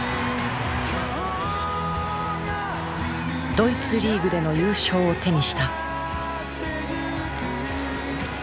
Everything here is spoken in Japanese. ドイツリーグでの優勝を手にした。